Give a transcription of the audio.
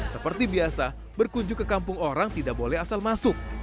seperti biasa berkunjung ke kampung orang tidak boleh asal masuk